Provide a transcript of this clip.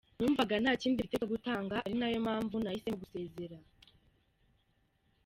Numvaga nta kindi mfite cyo gutanga ari nayo mpamvu nahisemo gusezera.